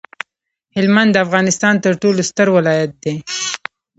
هلمند د افغانستان ترټولو ستر ولایت دی